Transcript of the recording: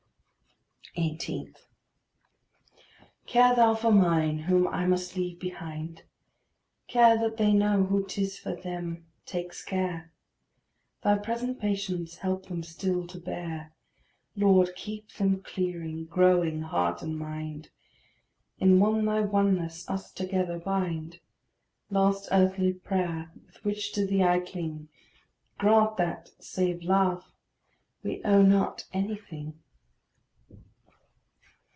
18. Care thou for mine whom I must leave behind; Care that they know who 'tis for them takes care; Thy present patience help them still to bear; Lord, keep them clearing, growing, heart and mind; In one thy oneness us together bind; Last earthly prayer with which to thee I cling Grant that, save love, we owe not anything.